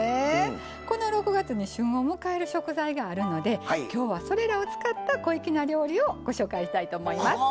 この６月に旬を迎える食材があるのできょうは、それらを使った小粋な料理をご紹介したいと思います。